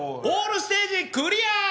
オールステージクリア！